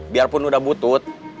biarpun udah butut